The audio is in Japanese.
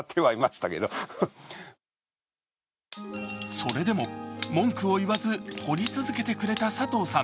それでも文句を言わず彫り続けてくれた佐藤さん。